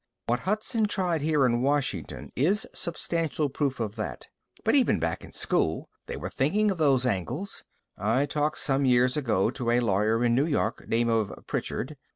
"What Hudson tried here in Washington is substantial proof of that. But even back in school, they were thinking of those angles. I talked some years ago to a lawyer in New York, name of Pritchard.